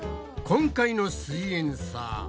今回の「すイエんサー」